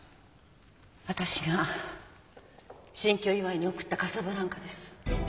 わたしが新居祝いに贈ったカサブランカです。